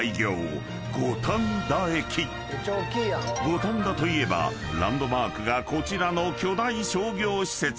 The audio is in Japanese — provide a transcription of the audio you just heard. ［五反田といえばランドマークがこちらの巨大商業施設］